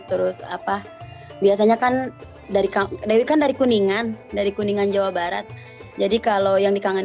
terus apa biasanya kan dewi kan dari kuningan dari kuningan jawa barat jadi kalau yang dikangenin